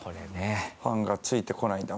ファンがついてこない。